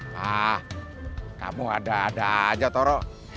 wah kamu ada ada aja toro